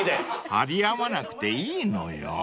［張り合わなくていいのよ］